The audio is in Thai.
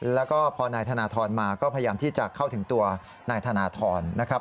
แล้วก็พอนายธนทรมาก็พยายามที่จะเข้าถึงตัวนายธนทรนะครับ